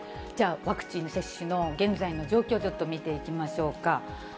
じゃあ、ワクチン接種の現在の状況を、ちょっと見ていきましょうか。